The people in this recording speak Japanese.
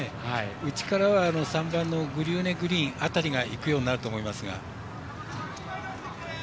内からは３番グリューネグリーン辺りがいくようになると思います。